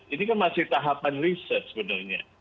ini kan masih tahapan riset sebenarnya